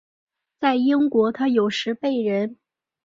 在英国他有时被人。